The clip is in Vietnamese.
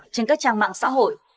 trên các trang mạng xã hội